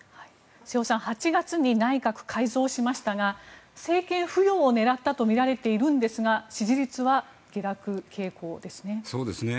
瀬尾さん、８月に内閣改造しましたが政権浮揚を狙ったとみられているんですが支持率は下落傾向ですね。